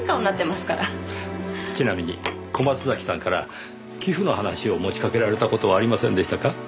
ちなみに小松崎さんから寄付の話を持ちかけられた事はありませんでしたか？